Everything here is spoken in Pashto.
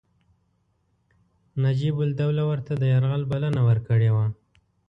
نجیب الدوله ورته د یرغل بلنه ورکړې وه.